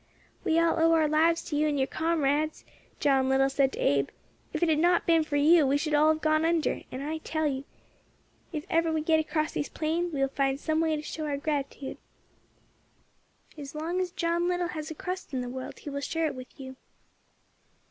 "We all owe our lives to you and your comrades," John Little said to Abe. "If it had not been for you we should all have gone under; and, I tell you, if ever we get across these plains we will find some way to show our gratitude. As long as John Little has a crust in the world he will share it with you."